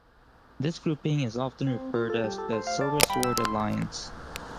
This grouping is often referred to as the silversword alliance.